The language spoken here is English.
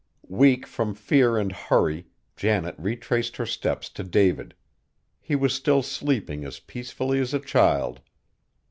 Weak from fear and hurry, Janet retraced her steps to David. He was still sleeping as peacefully as a child.